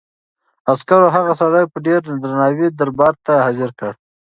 عسکرو هغه سړی په ډېر درناوي دربار ته حاضر کړ.